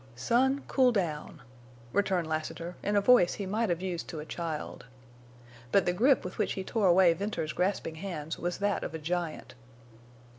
"Son—cool down," returned Lassiter, in a voice he might have used to a child. But the grip with which he tore away Venters's grasping hands was that of a giant.